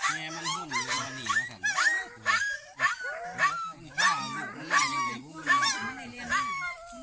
แต่กับตัวเมืองอ่าจะรับข้าวปลายคัน